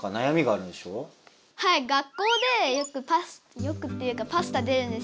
学校でよくよくっていうかパスタ出るんですよ。